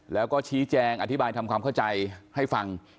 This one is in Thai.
แล้วก็ชี้แจงอธิบายทำความเข้าใจให้ฟัง